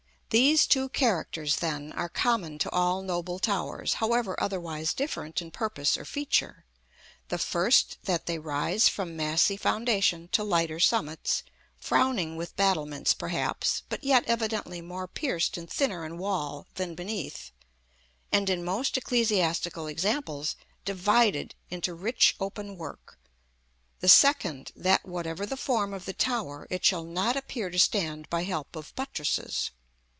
These two characters, then, are common to all noble towers, however otherwise different in purpose or feature, the first, that they rise from massy foundation to lighter summits, frowning with battlements perhaps, but yet evidently more pierced and thinner in wall than beneath, and, in most ecclesiastical examples, divided into rich open work: the second, that whatever the form of the tower, it shall not appear to stand by help of buttresses.